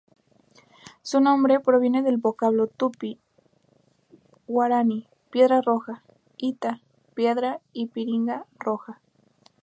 Su nombre proviene del vocablo tupí guaraní "Piedra Roja", "ita": piedra y "piranga": roja.